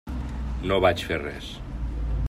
No vaig fer res.